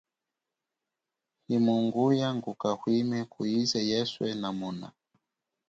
Himunguya nguka hwime kuize yeswe namona.